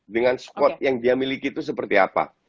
dengan spot yang dia miliki itu seperti apa